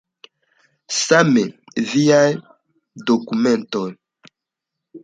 Same viaj dokumentoj.